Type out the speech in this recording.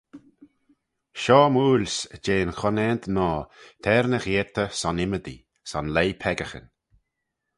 Shoh my 'uill's jeh'n conaant noa, t'er ny gheayrtey son ymmodee son leih peccaghyn.